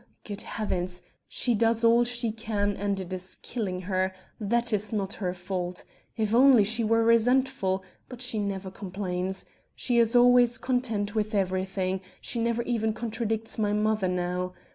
Good heavens! she does all she can and it is killing her ... that is not her fault. If only she were resentful but she never complains; she is always content with everything, she never even contradicts my mother now.